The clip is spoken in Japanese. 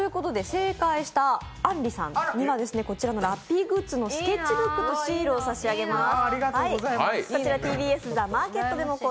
正解したあんりさんにはラッピーグッズのスケッチブックとシールをさしあげます。